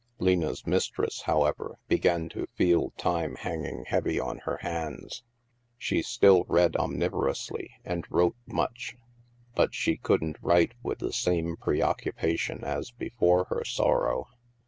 Lena's mistress, however, began to feel time hang ing heavy on her hands. She still read omnivo* rously and wrote much. But she couldn't write with the same preoccupation as before her sorrow.